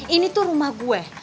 ini tuh rumah gue